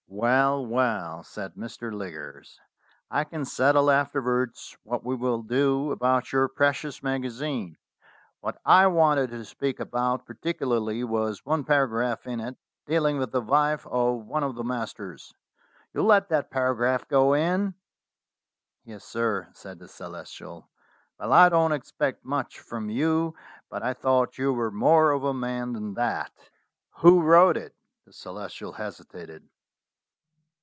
"Well, well," said Mr. Liggers, "I can settle after wards what we will do about your precious magazine. What I wanted to speak about particularly was one paragraph in it dealing with the wife of one of the masters. You let that paragraph go in?" "Yes, sir," said the Celestial. "Well, I don't expect much from you, but I thought you were more of a man than that. Who wrote it?" The Celestial hesitated.